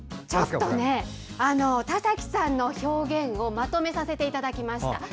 田崎さんの表現をまとめさせていただきました。